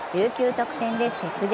１９得点で雪辱。